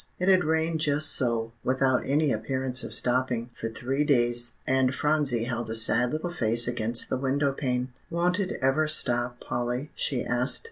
It had rained just so, without any appearance of stopping, for three days, and Phronsie held a sad little face against the window pane. "Won't it ever stop, Polly?" she asked.